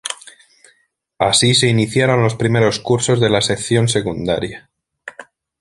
Así se iniciaron los primeros cursos de la Sección Secundaria.